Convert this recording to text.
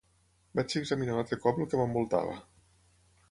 Vaig examinar un altre cop el que m'envoltava.